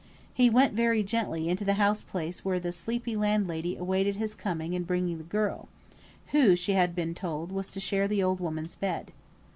He went very gently into the house place where the sleepy landlady awaited his coming and his bringing the girl, who, she had been told, was to share the old woman's bed.